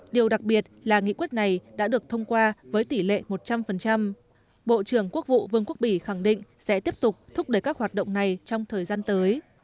điều đặc biệt là nghị quyết này đã được thông qua với tỷ lệ một trăm linh bộ trưởng quốc vụ vương quốc bỉ khẳng định sẽ tiếp tục thúc đẩy các hoạt động này trong thời gian tới